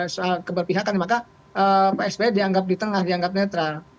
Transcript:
soal keberpihakan maka pak sby dianggap di tengah dianggap netral